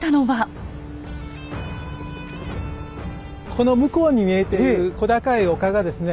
この向こうに見えている小高い丘がですね